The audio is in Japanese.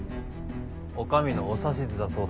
お上のお指図だそうだ。